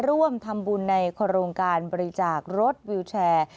ร่วมทำบุญในโครงการบริจาครถวิวแชร์